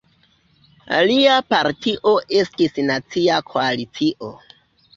Lia partio estis Nacia Koalicio.